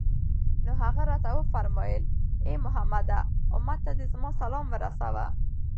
نو هغه راته وفرمايل: اې محمد! أمت ته دي زما سلام ورسوه